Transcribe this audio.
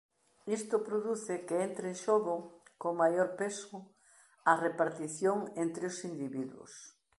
Isto produce que entre en xogo con maior peso a repartición entre os individuos.